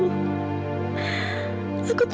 aku ingin secepatnya sembuh